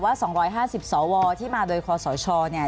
ว่าสองร้อยห้าสิบสอวอที่มาโดยคอสอชอเนี่ย